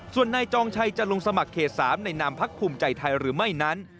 ส่วนนายจองชัยจะลงสมัครเขต๓ในนามพักภูมิใจไทยหรือไม่นั้น